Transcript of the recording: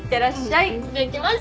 いってきます。